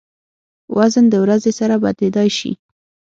وزن د ورځې سره بدلېدای شي.